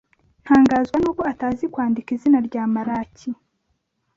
Ntangazwa nuko atazi kwandika izina rya Maraki.